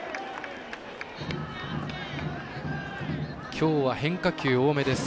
きょうは変化球多めです。